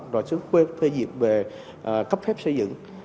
rồi xứ quê phê diệt về cấp phép xây dựng